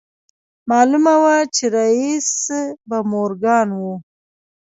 معلومه وه چې رييس به مورګان و.